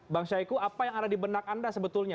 bang syahiku apa yang ada di benak anda sebetulnya